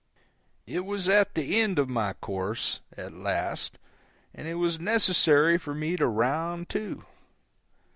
I was at the end of my course, at last, and it was necessary for me to round to.